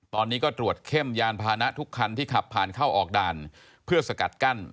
ตอนนี้ก็ตรวจเข้มยานพานะทุกคันที่ขับผ่านเข้าออกด่านเพื่อสกัดกั้น